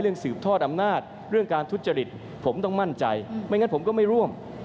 สืบทอดอำนาจเรื่องการทุจริตผมต้องมั่นใจไม่งั้นผมก็ไม่ร่วม